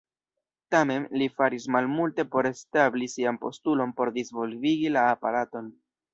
Tamen, li faris malmulte por establi sian postulon por disvolvigi la aparaton.